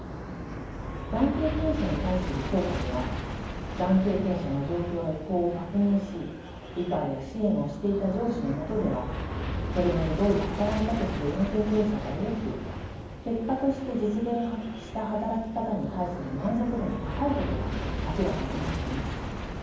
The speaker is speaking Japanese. がん経験者に対する調査ではがん経験者の状況や意向を確認し理解や支援をしていた上司のもとではこれまでどおり働いたとするがん経験者が多く結果として実現した働き方に対する満足度も高いことが明らかになっています。